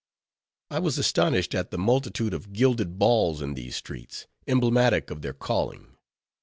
I was astonished at the multitude of gilded balls in these streets, emblematic of their calling.